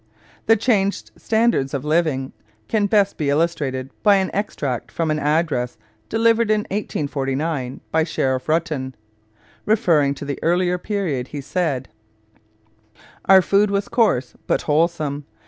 The changed standards of living can best be illustrated by an extract from an address delivered in 1849 by Sheriff Ruttan. Referring to the earlier period, he said: Our food was coarse but wholesome.